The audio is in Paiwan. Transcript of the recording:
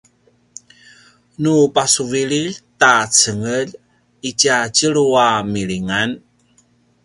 nu pasuvililj ta cengelj itja tjelu a milingan